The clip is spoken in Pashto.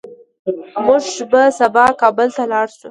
موږ به سبا کابل ته لاړ شو